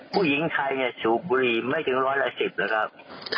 ผู้หญิงไทยสูบบุหรี่ไม่ถึงร้อยละ๑๐นะครับ